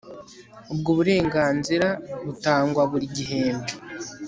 ubwo burenganzira butangwa buri gihembwe